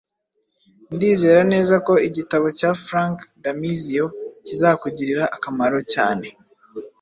Ndizera neza ko igitabo cya Frank Damizio kizakugirira akamaro cyane